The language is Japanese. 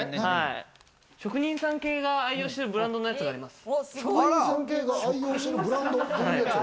職人さん系が愛用しているブランドのやつがあります。